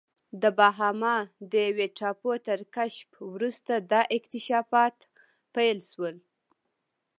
د باهاما د یوې ټاپو تر کشف وروسته دا اکتشافات پیل شول.